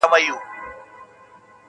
• پر اولس د کرارۍ ساعت حرام وو -